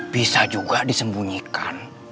bisa juga disembunyikan